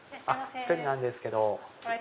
１人なんですけど。